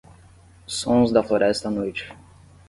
Sons da floresta à noite